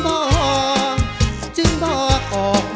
มือเงี้ยง